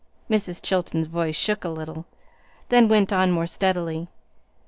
Mrs. Chilton's voice shook a little, then went on more steadily.